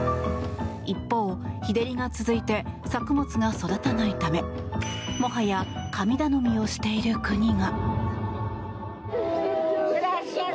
一方、日照りが続いて作物が育たないためもはや、神頼みをしている国が。